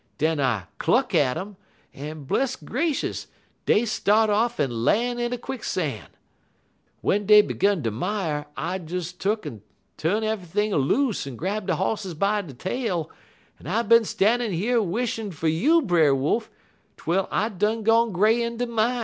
Den I cluck at um, en, bless gracious, dey start off en lan' in a quicksan'. W'en dey gun ter mire, I des tuck'n tu'n eve'ything a loose en grab de hosses by de tail, en I bin stan'in' yer wishin' fer you, Brer Wolf, twel I done gone gray in de min'.